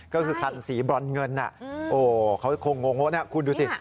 ก็คือคันสีบร้อนเงินน่ะโอ้เขาคงงงนะคุณดูสิ